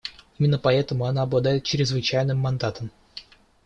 Именно поэтому она обладает чрезвычайным мандатом.